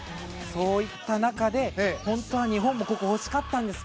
そういった中で、本当は日本もここ、欲しかったんです。